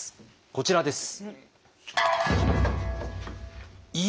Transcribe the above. こちらです。